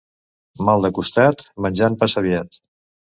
Mal de costat, menjant passa aviat.